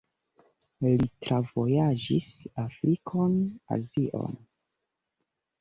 Li travojaĝis Afrikon, Azion.